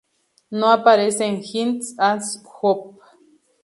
No aparece en High As Hope.